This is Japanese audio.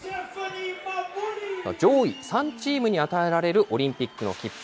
上位３チームに与えられるオリンピックの切符。